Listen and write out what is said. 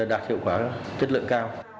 đạt hiệu quả tích lượng cao